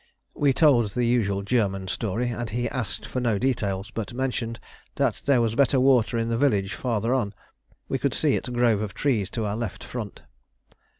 We told the usual German story, and he asked for no details, but mentioned there was better water in a village farther on; we could see its grove of trees to our left front.